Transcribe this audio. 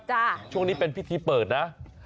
ช่วงนี้เป็นพิธีเปิดนะ